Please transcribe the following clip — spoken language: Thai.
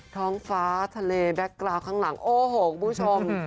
ท้องฟ้าทะเลแบ็คกราวข้างหลังโอ้โหคุณผู้ชม